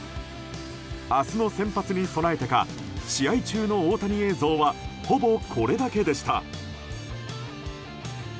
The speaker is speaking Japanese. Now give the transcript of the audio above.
明日の先発に備えてか試合中の大谷映像はほぼこれだけでした。